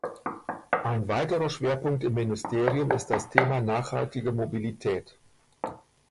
Ein weiterer Schwerpunkt im Ministerium ist das Thema Nachhaltige Mobilität.